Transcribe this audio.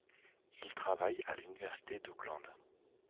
Il travaille à l'Université d'Auckland.